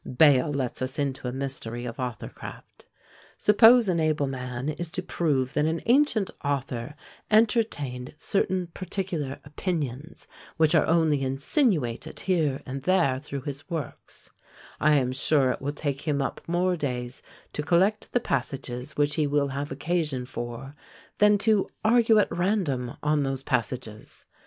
Bayle lets us into a mystery of author craft. "Suppose an able man is to prove that an ancient author entertained certain particular opinions, which are only insinuated here and there through his works, I am sure it will take him up more days to collect the passages which he will have occasion for, than to argue at random on those passages.